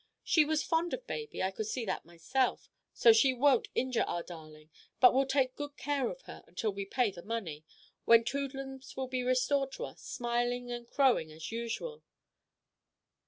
She was fond of baby; I could see that myself; so she won't injure our darling but will take good care of her until we pay the money, when Toodlums will be restored to us, smiling and crowing as usual.